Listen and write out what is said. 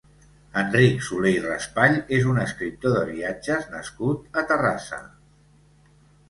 Enric Soler i Raspall és un escriptor de viatges nascut a Terrassa.